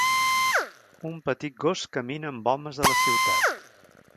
Un petit gos camina amb homes a la ciutat.